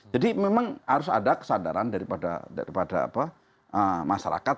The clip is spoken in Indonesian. jadi memang harus ada kesadaran daripada masyarakat